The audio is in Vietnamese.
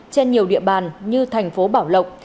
trên nhiều địa bàn như thành phố bảo lộng